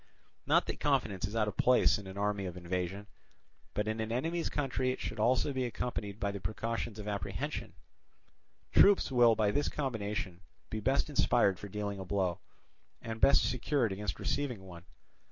Not that confidence is out of place in an army of invasion, but in an enemy's country it should also be accompanied by the precautions of apprehension: troops will by this combination be best inspired for dealing a blow, and best secured against receiving one.